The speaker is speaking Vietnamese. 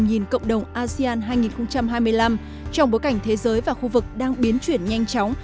nhìn cộng đồng asean hai nghìn hai mươi năm trong bối cảnh thế giới và khu vực đang biến chuyển nhanh chóng